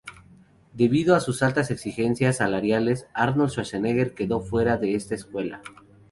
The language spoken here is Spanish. Debido a sus altas exigencias salariales, Arnold Schwarzenegger quedó fuera de esta secuela.